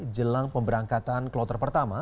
jelang pemberangkatan ke loter pertama